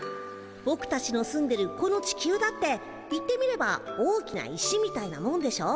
ぼくたちの住んでるこの地球だっていってみれば大きな石みたいなもんでしょ？